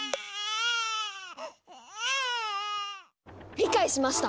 理解しました！